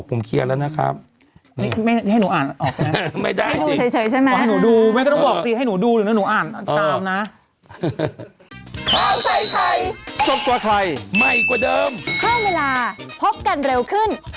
เพิ่มเวลาพบกันเร็วขึ้น